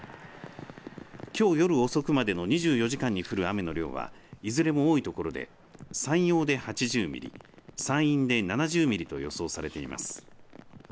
きょう夜遅くまでの２４時間に降る雨の量はいずれも多い所で山陽で８０ミリ山陰で７０ミリと予想されています。